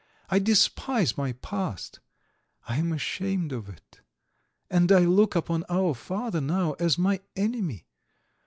I despise my past; I am ashamed of it. And I look upon our father now as my enemy.